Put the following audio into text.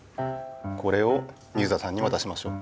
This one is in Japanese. これを水田さんにわたしましょう。